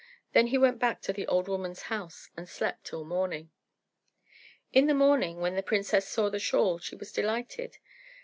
Then he went back to the old woman's house and slept till morning. In the morning, when the princess saw the shawl she was delighted.